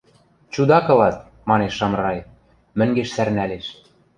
— Чудак ылат, — манеш Шамрай, мӹнгеш сӓрнӓлеш.